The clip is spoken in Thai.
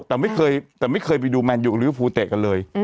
แต่ไม่เคยไปดูแมนยูกับลิฟภูเตะกันเลย